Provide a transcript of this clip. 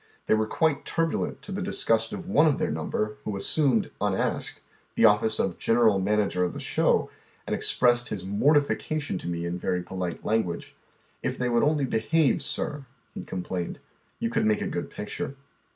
They were quite tur bulent, to the disgust of one of their number who assumed, unasked, the office of general manager of the show, and expressed his mortification to me in very polite language. :rGeogle „Google 206 HOW THE OTHJCR HALF LIVES, " If they would only behave, sir I " he complained, "yoa could make a good picture."